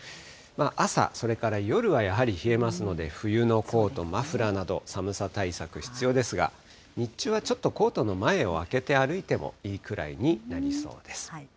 朝、それから夜はやはり冷えますので、冬のコート、マフラーなど、寒さ対策必要ですが、日中はちょっとコートの前を開けて歩いてもいいくらいになりそうです。